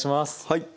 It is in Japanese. はい。